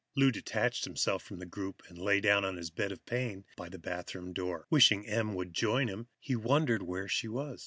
Lou detached himself from the group and lay down on his bed of pain by the bathroom door. Wishing Em would join him, he wondered where she was.